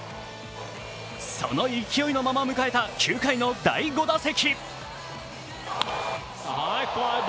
その勢いのまま迎えた９回の第５打席。